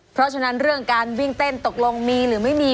เพราะฉะนั้นเรื่องการวิ่งเต้นตกลงมีหรือไม่มี